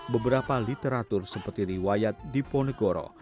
beberapa literatur seperti riwayat diponegoro